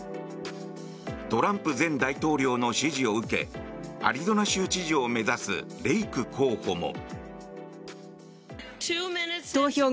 トランプ前大統領の支持を受けアリゾナ州知事を目指すレイク候補も。